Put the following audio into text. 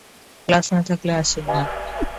Class না থাকলে আসেন না।